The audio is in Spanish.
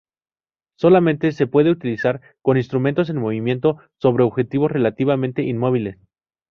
Solamente se puede utilizar con instrumentos en movimiento sobre objetivos relativamente inmóviles.